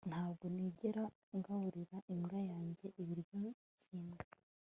ntabwo nigera ngaburira imbwa yanjye ibiryo byimbwa